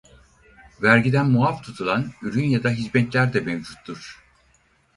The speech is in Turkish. Vergiden muaf tutulan ürün ya da hizmetler de mevcuttur.